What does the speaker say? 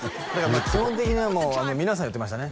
基本的には皆さん言ってましたね